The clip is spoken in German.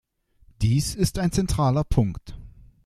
Dies ist ein zentraler Punkt.